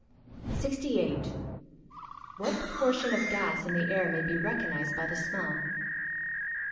] 68. _What proportion of gas in the air may be recognised by the smell?